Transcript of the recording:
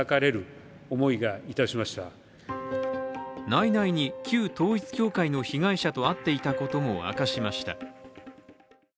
内々に、旧統一教会の被害者と会っていたことも明かしました。